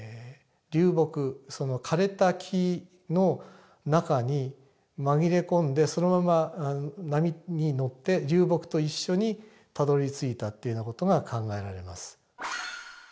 枯れた木の中に紛れ込んでそのまま波に乗って流木と一緒にたどりついたっていうような事が考えられます。